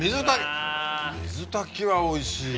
水炊きはおいしいよ。